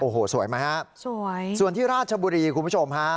โอ้โหสวยไหมฮะสวยส่วนที่ราชบุรีคุณผู้ชมฮะ